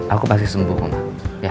aku pasti sembuh mak